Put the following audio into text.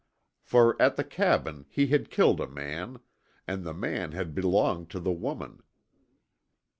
For at the cabin he had killed a man and the man had belonged to the woman.